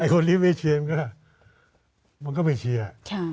ไอ้คนอีกฝ่ายไอ้เชียร์ก็มันก็ไม่เชียร์ใช่